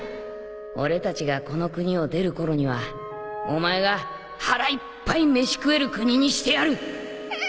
俺たちがこの国を出る頃にはお前が腹いっぱい飯食える国にしてやる！